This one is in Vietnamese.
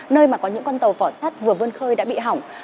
nơi mà có những con tàu vỏ sát vừa vơn khơi đã bị hỏng